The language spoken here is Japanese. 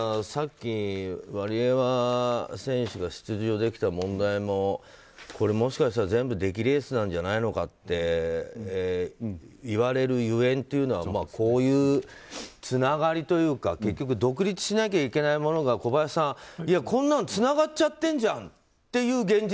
さっきワリエワ選手が出場できた問題もこれ、もしたかしたら全部出来レースじゃないかっていわれるゆえんというのはこういうつながりというか結局独立しなきゃいけないものが小林さん、こんなのつながっちゃっているじゃん